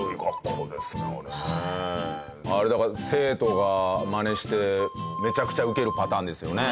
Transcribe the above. あれだから生徒がマネしてめちゃくちゃウケるパターンですよね。